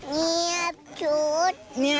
เนี่ยชุดอะไร